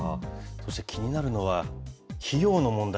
そして気になるのは、費用の問題。